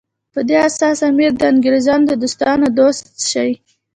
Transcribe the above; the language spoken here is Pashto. په دې اساس امیر د انګریزانو د دوستانو دوست شي.